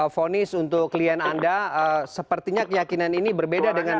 fonis untuk klien anda sepertinya keyakinan ini berbeda dengan